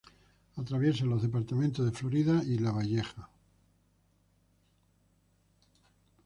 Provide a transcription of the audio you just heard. Atraviesa los departamentos de Florida y Lavalleja.